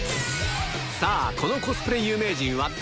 さあ、このコスプレ有名人は誰？